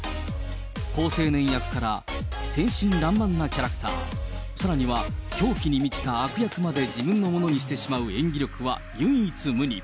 好青年役から天真らんまんなキャラクター、さらには、狂気に満ちた悪役まで自分のものにしてしまう演技力は唯一無二。